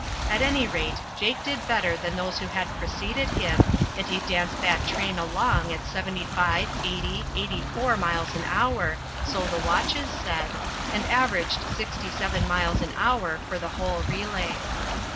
At any rate, Jake did better than those who had preceded him, and he danced that train along at 75, 80, 84 miles an hour, so the watches said, and averaged 67 miles an hour for the whole relay.